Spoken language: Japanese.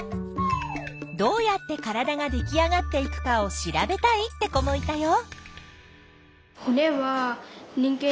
どうやって体ができあがっていくかを調べたいって子もいたよ。